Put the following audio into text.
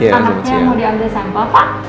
anaknya mau diambil sampah pak